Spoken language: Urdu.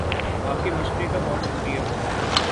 آپ کے مشورے کا بہت شکر یہ